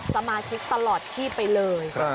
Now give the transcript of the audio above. สมาชิกตลอดชีพไปเลย